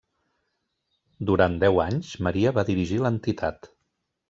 Durant deu anys, Maria va dirigir l'entitat.